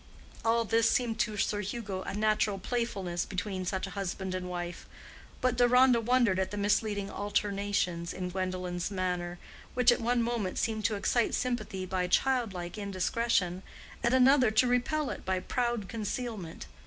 All this seemed to Sir Hugo a natural playfulness between such a husband and wife; but Deronda wondered at the misleading alternations in Gwendolen's manner, which at one moment seemed to excite sympathy by childlike indiscretion, at another to repel it by proud concealment.